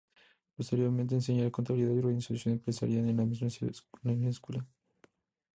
Posteriormente enseñaría contabilidad y organización empresarial en esta misma escuela.